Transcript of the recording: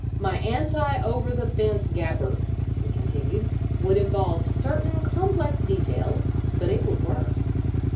"My Anti Over the Fence Gabber," he continued, "would involve certain complex details, but it would work.